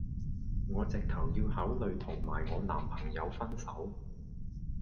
我直頭要考慮同埋我男朋友分手